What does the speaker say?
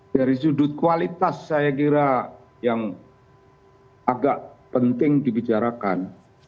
dari sudut kualitas saya kira yang agak penting dibicarakan